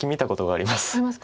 ありますか。